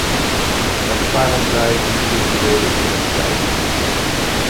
Ervaren zij een culturele identiteit?